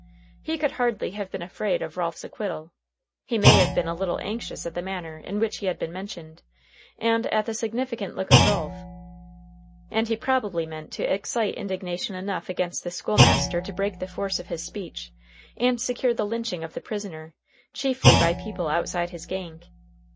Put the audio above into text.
He could hardly have been afraid of Ralph's acquittal. He may have been a little anxious at the manner in which he had been mentioned, and at the significant look of Ralph, and he probably meant to excite indignation enough against the school master to break the force of his speech, and secure the lynching of the prisoner, chiefly by people outside his gang.